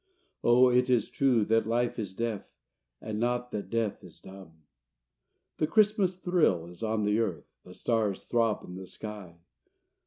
Oh, it is true that life is deaf, And not that death is dumb. The Christmas thrill is on the earth, The stars throb in the sky.